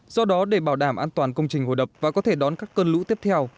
do đó để bảo đảm an toàn công trình hồ đập và có thể đón các cơn lũ tiếp theo